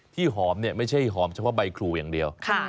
หอมเนี่ยไม่ใช่หอมเฉพาะใบครูอย่างเดียว